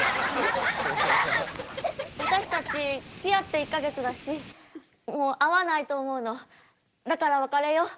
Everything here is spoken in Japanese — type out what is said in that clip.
私たちつきあって１か月だし合わないと思うのだから別れよう。